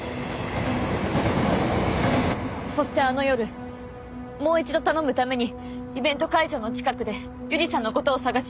そしてあの夜もう一度頼むためにイベント会場の近くで優里さんの事を探しました。